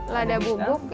lada bubuk ya